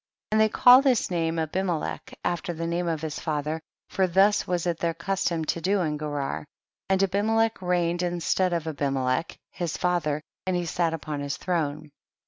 21. And they called his name Abimelech after the name of his father, for thus was it their custom to do in Gerar, and Abimelech reigned instead of Abimelech his father, and he sat upon his throne.